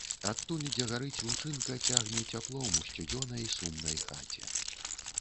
Адтуль, дзе гарыць лучынка, цягне цяплом у сцюдзёнай, сумнай хаце.